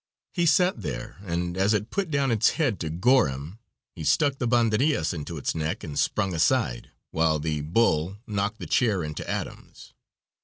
He sat there, and as it put down its head to gore him he stuck the banderillas into its neck and sprung aside, while the bull knocked the chair into atoms.